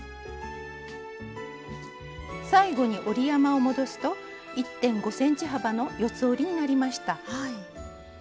最後に折り山を戻すと１．５ｃｍ幅の四つ折りになりました。